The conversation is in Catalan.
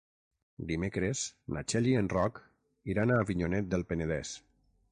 Dimecres na Txell i en Roc iran a Avinyonet del Penedès.